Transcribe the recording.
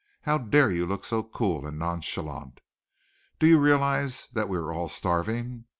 "How dare you look so cool and nonchalant! Do you realize that we are all starving?